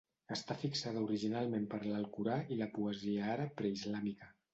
Està fixada originalment per l'Alcorà i la poesia àrab preislàmica.